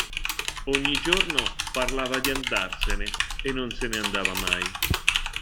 Ogni giorno parlava di andarsene e non se ne andava mai.